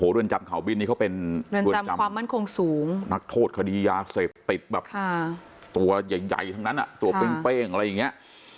เรือนจำเขาบินนี่เขาเป็นเรือนจำความมั่นคงสูงนักโทษคดียาเสพติดแบบตัวใหญ่ทั้งนั้นตัวเป้งอะไรอย่างนี้